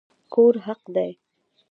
کور حق دی